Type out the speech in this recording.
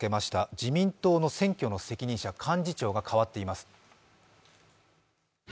自民党の選挙の責任者、幹事長が代わっています。